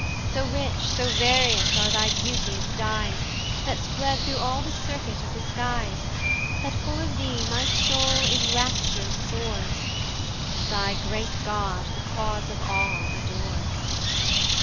So rich, so various are thy beauteous dies, That spread through all the circuit of the skies, That, full of thee, my soul in rapture soars, And thy great God, the cause of all adores.